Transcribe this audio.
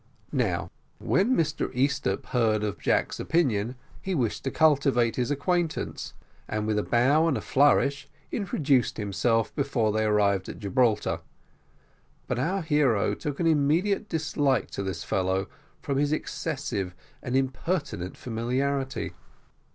Now, when Mr Easthupp heard of Jack's opinions, he wished to cultivate his acquaintance, and with a bow and a flourish, introduced himself before they arrived at Gibraltar, but our hero took an immediate dislike to this fellow from his excessive and impertinent familiarity.